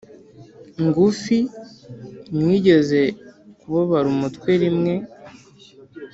ngufi mwigeze kubabara umutwe rimwe